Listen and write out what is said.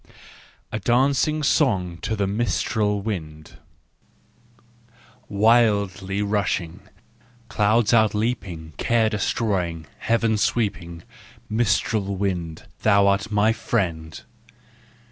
. A DANCING SONG TO THE MISTRAL WIND* Wildly rushing, clouds outleaping, Care destroying, Heaven sweeping, Mistral wind, thou art my friend!